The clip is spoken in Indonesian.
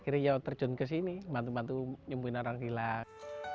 akhirnya terjun ke sini bantu bantu nyembunyikan orang hilang